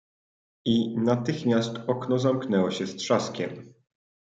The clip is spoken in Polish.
"I natychmiast okno zamknęło się z trzaskiem."